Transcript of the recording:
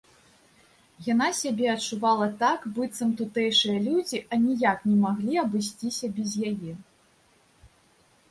Яна сябе адчувала так, быццам тутэйшыя людзі аніяк не маглі абысціся без яе.